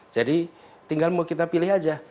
jadi tinggal mau kita pilih aja